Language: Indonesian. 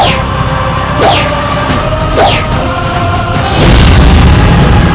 terima kasih raden